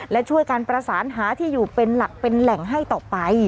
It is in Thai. และช่วยการประสานหาที่อยู่เป็นหลักเป็นแหล่งให้ต่อไป